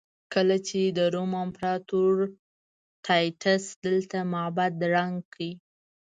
کله چې د روم امپراتور ټایټس دلته معبد ړنګ کړ.